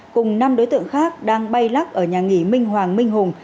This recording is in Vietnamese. cùng năm đối tượng khác đang bay lắc ở nhà nghỉ minh hoàng minh hùng